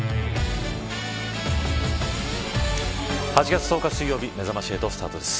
８月１０日水曜日めざまし８スタートです。